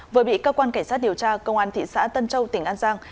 vừa bị cơ quan cảnh sát điều tra công an thị xã tân châu tỉnh an giang